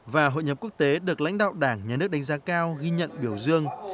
và hội nhập quốc tế được lãnh đạo đảng nhà nước đánh giá cao ghi nhận biểu dương